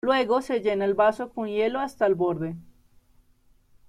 Luego se llena el vaso con hielo hasta el borde.